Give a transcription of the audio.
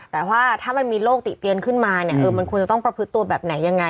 แต่ว่าถ้ามันมีโรคติเตียนขึ้นมาเนี่ยมันควรจะต้องประพฤติตัวแบบไหนยังไง